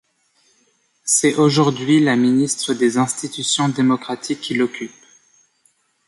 C'est aujourd'hui la ministre des Institutions démocratiques qui l'occupe.